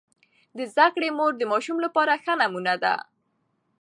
د زده کړې مور د ماشوم لپاره ښه نمونه ده.